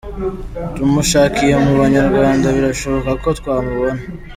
Tumushakiye mu Banyarwanda, birashoboka ko twamubona.